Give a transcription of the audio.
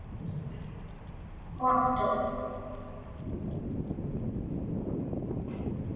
Quaqtuq.